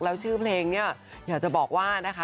แล้วชื่อเพลงเนี่ยอยากจะบอกว่านะคะ